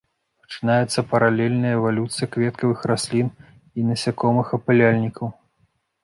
Пачынаецца паралельная эвалюцыя кветкавых раслін і насякомых-апыляльнікаў.